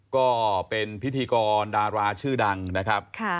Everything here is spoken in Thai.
ก็เป็นพิธีกรดาราชื่อดังนะครับ